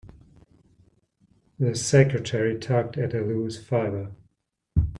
The secretary tugged at a loose fibre.